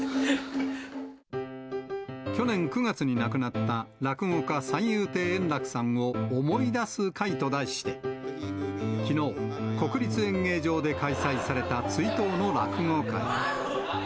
去年９月に亡くなった落語家、三遊亭円楽さんを思い出す会と題して、きのう、国立演芸場で開催された追悼の落語会。